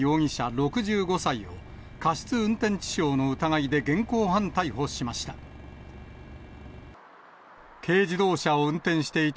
６５歳を、過失運転致傷の疑いで現行犯逮捕しました。